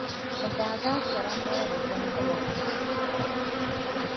bɛ daagi a sara maligu bimbina luhi.